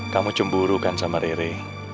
kamu cemburu kan sama rere